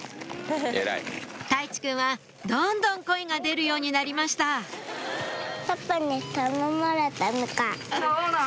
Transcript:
泰地くんはどんどん声が出るようになりましたそうなん？